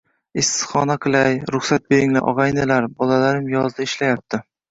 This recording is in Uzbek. issiqxona qilay, ruxsat beringlar, og‘aynilar, bolalarim yozda ishlayapti